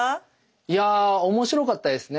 いや面白かったですね。